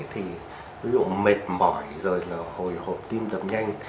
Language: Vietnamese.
thì ví dụ mệt mỏi rồi là hồi hộp tim đập nhanh